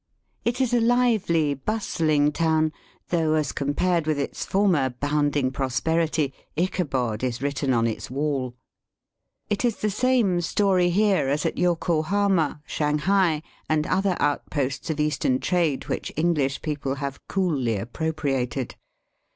It is a lively, bustling town, though as compared with its former bounding prosperity Ichabod is written on its wall. It is the same story here as at Yokohama, Shanghai, and other outposts of Eastern trade which English people have coolly appropriated.